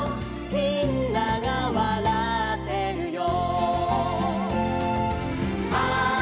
「みんながうたってるよ」